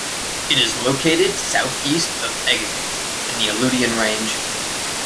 It is located south-east of Egegik, in the Aleutian Range.